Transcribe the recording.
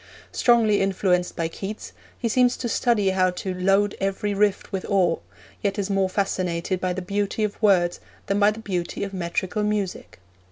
Strongly influenced by Keats, he seems to study how to 'load every rift with ore,' yet is more fascinated by the beauty of words than by the beauty of metrical music.